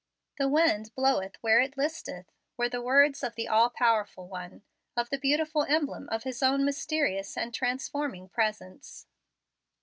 "The wind bloweth where it listeth," were the words of the all powerful One, of the beautiful emblem of His own mysterious and transforming presence.